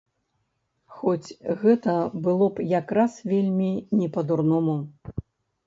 Хоць гэта было б якраз вельмі не па-дурному.